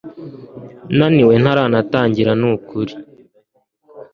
Naniwe ntarana tangira nukuri